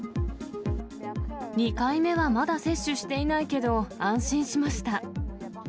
２回目はまだ接種していないけど、安心しました。